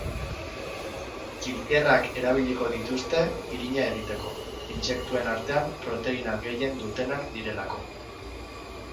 Kilkerrak erabiliko dituzte irina egiteko, intsektuen artean proteina gehien dutenak direlako.